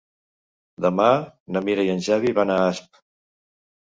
Demà na Mira i en Xavi van a Asp.